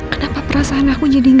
kenapa perasaan aku jadi gak